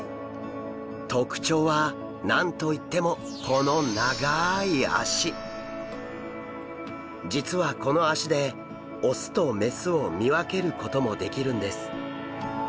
特徴は何と言ってもこの実はこの脚で雄と雌を見分けることもできるんです。